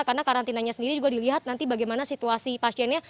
karena karantinanya sendiri juga dilihat nanti bagaimana situasi pasiennya